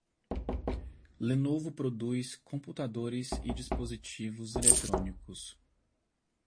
Lenovo produz computadores e dispositivos eletrônicos.